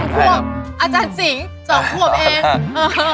ควบอาจารย์สิงห์๒ควบเอง